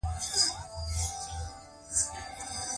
په افغانستان کې د د افغانستان د موقعیت منابع شته.